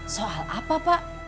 soal apa pak